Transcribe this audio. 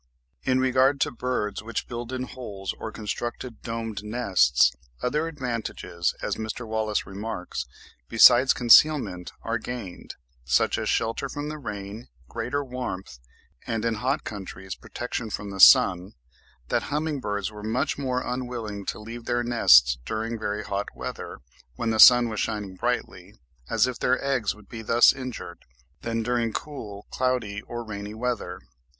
In regard to birds which build in holes or construct domed nests, other advantages, as Mr. Wallace remarks, besides concealment are gained, such as shelter from the rain, greater warmth, and in hot countries protection from the sun (14. Mr. Salvin noticed in Guatemala ('Ibis,' 1864, p. 375) that humming birds were much more unwilling to leave their nests during very hot weather, when the sun was shining brightly, as if their eggs would be thus injured, than during cool, cloudy, or rainy weather.)